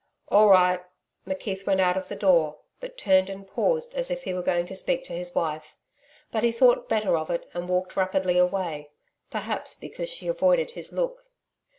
'All right.' McKeith went out of the door, but turned and paused as if he were going to speak to his wife. But he thought better of it and walked rapidly away perhaps because she avoided his look.